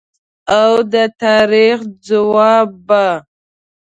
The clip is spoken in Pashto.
او د تاریخ ځواب به